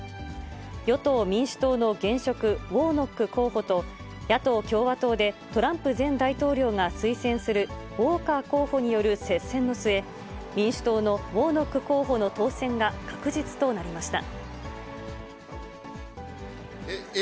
与党・民主党の現職、ウォーノック候補と野党・共和党でトランプ前大統領が推薦するウォーカー候補による接戦の末、民主党のウォーノック候補の当選が確実となりました。